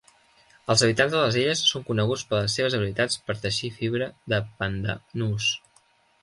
Els habitants de les illes són coneguts per les seves habilitats per teixir fibra de pandanus.